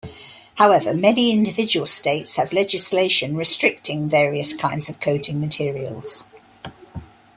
However, many individual states have legislation restricting various kinds of coating materials.